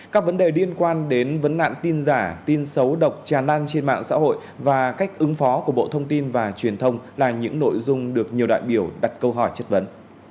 các vấn đề liên quan đến vấn nạn tin giả tin xấu độc tràn lan trên mạng xã hội và cách ứng phó của bộ thông tin và truyền thông là những nội dung được nhiều đại biểu đặt câu hỏi chất vấn